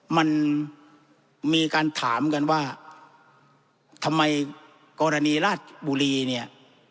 มันมีการถามกันว่าทำไมกรณีราชบุรีเนี่ย